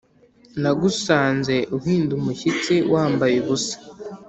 nagusanze - uhinda umushyitsi, wambaye ubusa.